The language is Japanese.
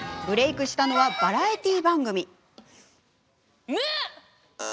ブレークしたのはバラエティー番組。